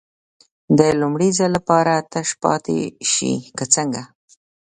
د لومړي ځل لپاره تش پاتې شي که څنګه.